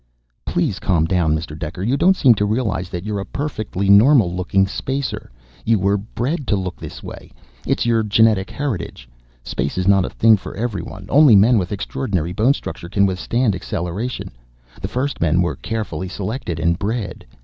"Please calm down, Mr. Dekker. You don't seem to realize that you're a perfectly normal looking Spacer. You were bred to look this way. It's your genetic heritage. Space is not a thing for everyone; only men with extraordinary bone structure can withstand acceleration. The first men were carefully selected and bred.